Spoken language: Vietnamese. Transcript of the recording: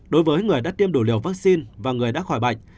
đối với người đã tiêm đủ liều vaccine và người đã khỏi bệnh